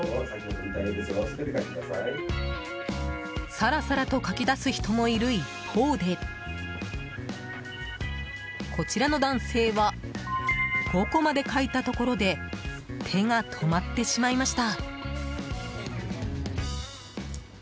さらさらと書き出す人もいる一方でこちらの男性は５個まで書いたところで手が止まってしまいました。